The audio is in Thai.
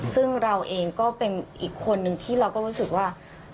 ซึ่งเราเองก็เป็นอีกคนนึงที่เราก็รู้สึกว่า